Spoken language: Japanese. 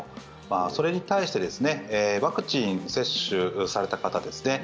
それに対してワクチン接種された方